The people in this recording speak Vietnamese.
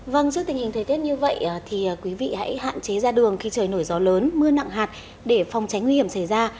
vâng trước tình hình thời tiết như vậy thì quý vị hãy hạn chế ra đường khi trời nổi gió lớn mưa nặng hạt để phòng tránh nguy hiểm xảy ra